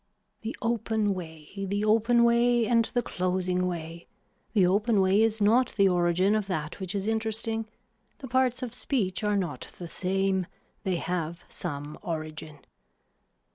The open way the open way and the closing way, the open way is not the origin of that which is interesting, the parts of speech are not the same, they have some origin.